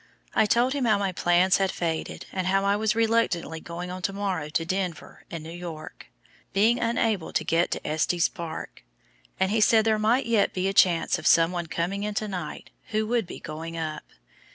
I told him how my plans had faded, and how I was reluctantly going on to morrow to Denver and New York, being unable to get to Estes Park, and he said there might yet be a chance of some one coming in to night who would be going up.